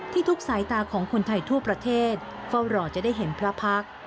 ทุกสายตาของคนไทยทั่วประเทศเฝ้ารอจะได้เห็นพระพักษ์